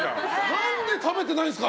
何で食べてないんですか！